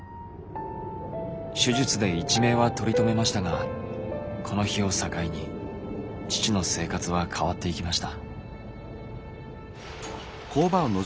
手術で一命は取り留めましたがこの日を境に父の生活は変わっていきました。